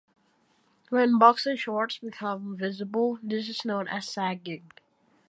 When boxer shorts become visible this is known as "sagging".